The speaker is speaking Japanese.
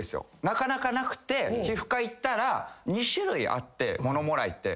なかなかなくて皮膚科行ったら２種類あってものもらいって。